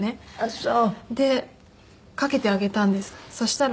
そう。